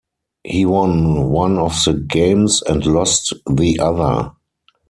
He won one of the games and lost the other.